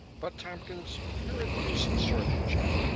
But, Tompkins, you're a decent sort of chap.